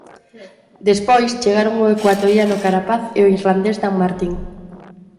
Despois, chegaron o ecuatoriano Carapaz e o irlandés Dan Martin.